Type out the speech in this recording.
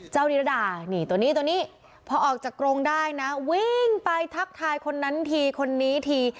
นิรดานี่ตัวนี้ตัวนี้พอออกจากกรงได้นะวิ่งไปทักทายคนนั้นทีคนนี้ที